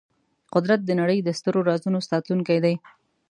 قدرت د نړۍ د سترو رازونو ساتونکی دی.